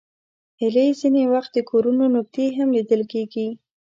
هیلۍ ځینې وخت د کورونو نږدې هم لیدل کېږي